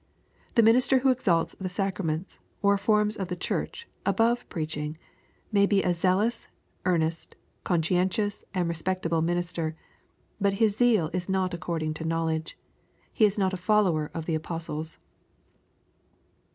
The minister who exalts the sacraments, or forms of the Church, above preaching, may be a zealous, earnest, conscientious, and respectable minister ; but his zeal is not according to knowledge. He is not a follower of the apostles.